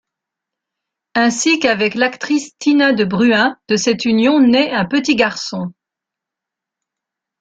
Ainsi qu'avec l'actrice Tina de Bruin, de cette union naît un petit garçon.